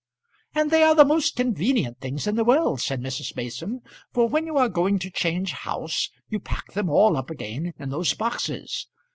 "And they are the most convenient things in the world," said Mrs. Mason, "for when you are going to change house you pack them all up again in those boxes.